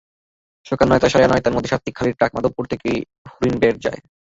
সকাল নয়টা-সাড়ে নয়টার মধ্যে সাতটি খালি ট্রাক মাধবপুর থেকে হরিণবেড় যায়।